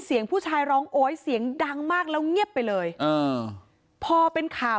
เสียงผู้ชายร้องโอ๊ยเสียงดังมากแล้วเงียบไปเลยอ่าพอเป็นข่าว